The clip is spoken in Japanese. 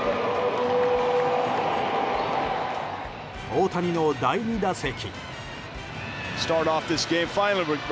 大谷の第２打席。